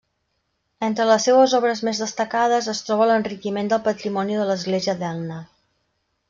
Entre les seues obres més destacades es troba l'enriquiment del patrimoni de l'església d'Elna.